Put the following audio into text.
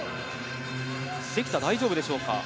関田、大丈夫でしょうか。